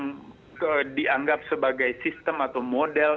yang dianggap sebagai sistem atau model